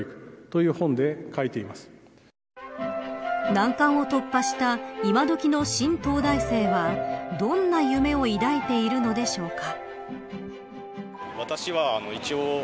難関を突破したいまどきの新東大生はどんな夢を抱いているのでしょうか。